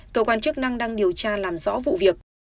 cơ quan chức năng đang điều tra làm rõ vụ việc